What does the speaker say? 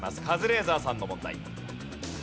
カズレーザーさんの問題。